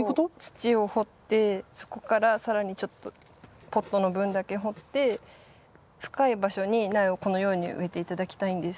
土を掘ってそこから更にちょっとポットの分だけ掘って深い場所に苗をこのように植えて頂きたいんです。